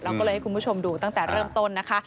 ก็เลยให้คุณผู้ชมดูตั้งแต่เริ่มต้นนะคะ